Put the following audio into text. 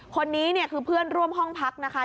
คนนี้เนี่ยคือเพื่อนร่วมห้องพักนะคะ